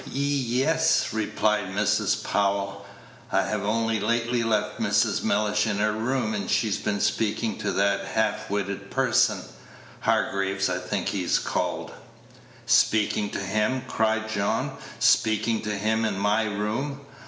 "Ye es," replied Mrs. Powell; "I have only lately left Mrs. Mellish in your room; Page 114 she had been speaking to that half witted person Hargraves I think he is called." "Speaking to him?" cried John; "speaking to him in my room?